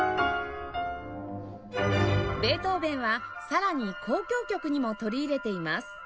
ベートーヴェンはさらに交響曲にも取り入れています